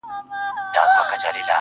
زه به په فکر وم، چي څنگه مو سميږي ژوند,